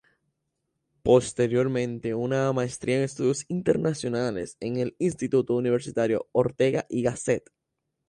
Posteriormente una maestría en estudios internacionales en el Instituto Universitario Ortega y Gasset.